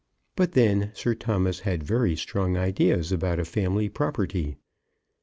But then Sir Thomas had very strong ideas about a family property.